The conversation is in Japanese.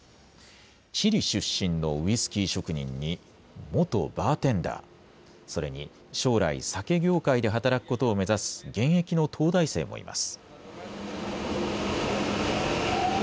チリ出身のウイスキー職人に元バーテンダー、それに将来、酒業界で働くことを目指す現役の東大生もいます。